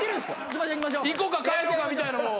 行こか帰ろうかみたいな。